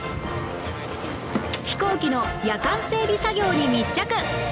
飛行機の夜間整備作業に密着！